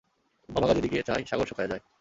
অভাগা যেদিকে চায়, সাগর শুকায়ে যায়।